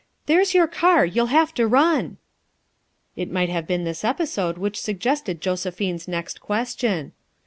There's your car! you'll have to run." It might have been this episode which sug gested Josephine's next question.